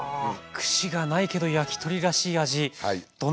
串がないけど焼き鳥らしい味。